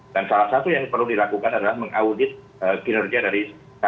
dan salah satu yang perlu dilakukan adalah mengaudit kinerja dari